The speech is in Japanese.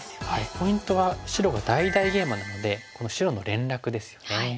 ポイントは白が大々ゲイマなのでこの白の連絡ですよね。